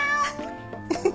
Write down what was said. フフフ！